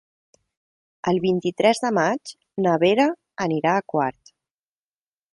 El vint-i-tres de maig na Vera anirà a Quart.